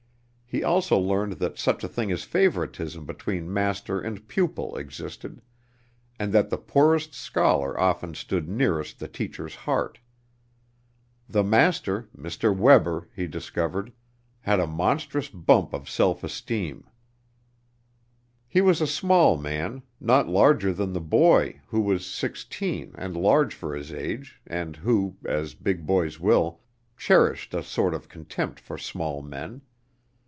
He also learned that such a thing as favoritism between master and pupil existed, and that the poorest scholar often stood nearest the teacher's heart. The master, Mr. Webber, he discovered, had a monstrous bump of self esteem. He was a small man, not larger than the boy, who was sixteen, and large for his age, and who, as big boys will, cherished a sort of contempt for small men.